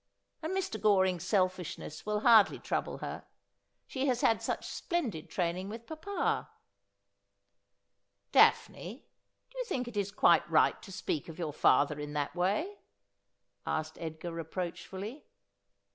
And Mr. Goring's selfishness will hardly trouble her. She has had such splendid training with papa.' ' Daphne, do you think it is quite right to speak of your father in that way ?' asked Edgar reproachfully.